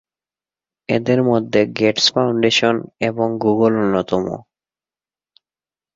এদের মধ্যে Gates Foundation এবং গুগল অন্যতম।